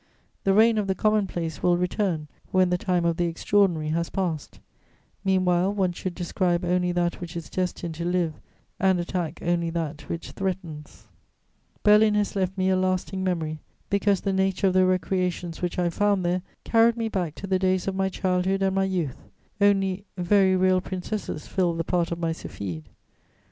The reign of the commonplace will return when the time of the extraordinary has passed: meanwhile, one should describe only that which is destined to live and attack only that which threatens." [Sidenote: Berlin in Winter.] Berlin has left me a lasting memory, because the nature of the recreations which I found there carried me back to the days of my childhood and my youth; only, very real princesses filled the part of my Sylphide.